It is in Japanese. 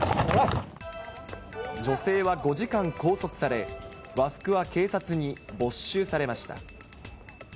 女性は５時間拘束され、和服は警察に没収されました。